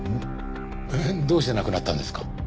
えっどうして亡くなったんですか？